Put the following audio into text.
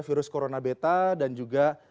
virus corona beta dan juga